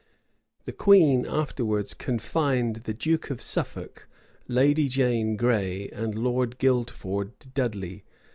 The queen afterwards confined the duke of Suffolk, Lady Jane Gray, and Lord Guildford Dudley.